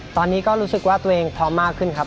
ตอนนี้ก็รู้สึกว่าตัวเองพร้อมมากขึ้นครับ